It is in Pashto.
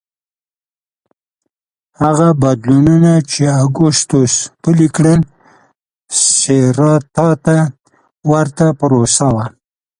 هغه بدلونونه چې اګوستوس پلي کړل سېراتا ته ورته پروسه وه